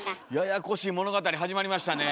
ややこしい物語始まりましたね。